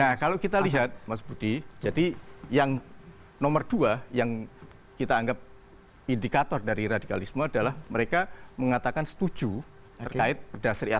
nah kalau kita lihat mas budi jadi yang nomor dua yang kita anggap indikator dari radikalisme adalah mereka mengatakan setuju terkait perda syariat